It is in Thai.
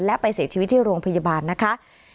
และไปเสียชีวิตที่โรงพยาบาลนะคะ